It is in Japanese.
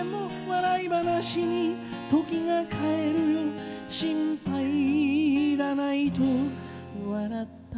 「笑い話に時が変えるよ心配いらないと笑った」